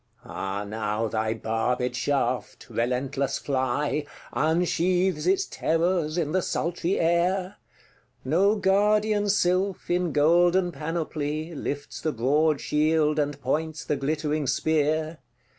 —Ah now thy barbed shaft, relentless fly, Unsheaths its terrors in the sultry air! No guardian sylph, in golden panoply, Lifts the broad shield, and points the glittering spear.